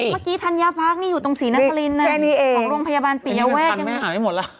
เมื่อกี้ธัญญาพักษ์นี่อยู่ตรงศรีนครินทร์นั่นของโรงพยาบาลปิยาแวกยังไม่หาให้หมดแล้ว